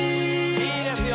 いいですよ